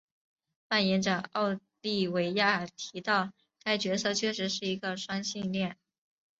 扮演者奥利维亚提到该角色确实是一个双性恋。